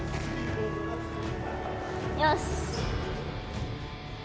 よし！